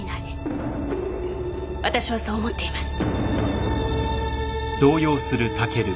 私はそう思っています。